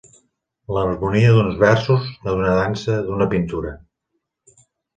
L'harmonia d'uns versos, d'una dansa, d'una pintura.